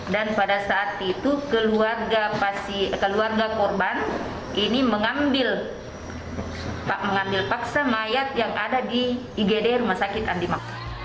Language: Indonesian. dan pada saat itu keluarga korban ini mengambil paksa mayat yang ada di igdr sud andi makasau